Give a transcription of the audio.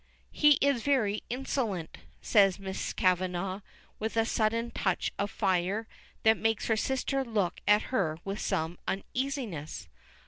"He is very insolent," says Miss Kavanagh, with a sudden touch of fire, that makes her sister look at her with some uneasiness.